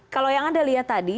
kalau yang anda lihat tadi